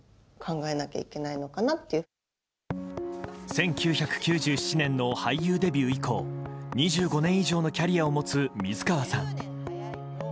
１９９７年の俳優デビュー以降２５年以上のキャリアを持つ水川さん。